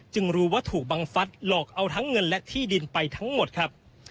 รู้ว่าถูกบังฟัดหลอกเอาทั้งเงินและที่ดินไปทั้งหมดครับ